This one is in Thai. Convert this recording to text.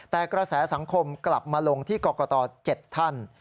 แต่กระแสสังคมกลับมาลงที่กรกฎาเจ็ดทัน